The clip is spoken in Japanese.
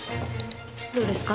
どうですか？